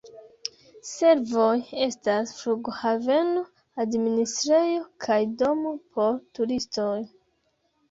Servoj estas flughaveno, administrejo kaj domo por turistoj.